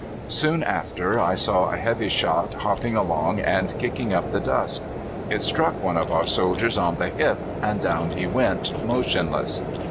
"Soon after I saw a heavy shot hopping along and kicking up the dust. It struck one of our soldiers on the hip, and down he went, motionless.